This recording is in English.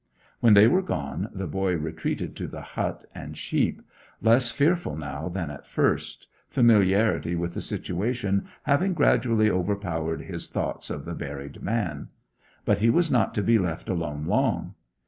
When they were gone the boy retreated to the hut and sheep, less fearful now than at first familiarity with the situation having gradually overpowered his thoughts of the buried man. But he was not to be left alone long.